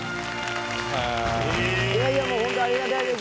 いやいやもうホントありがたいです。